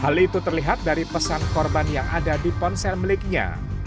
hal itu terlihat dari pesan korban yang ada di ponsel miliknya